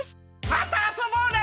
またあそぼうね！